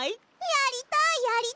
やりたい！